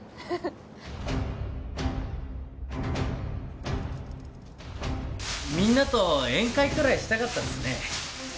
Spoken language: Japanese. フフフみんなと宴会くらいしたかったっすね